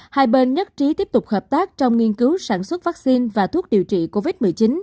hai bên nhất trí tiếp tục hợp tác trong nghiên cứu sản xuất vaccine và thuốc điều trị covid một mươi chín